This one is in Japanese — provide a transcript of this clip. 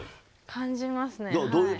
感じますね。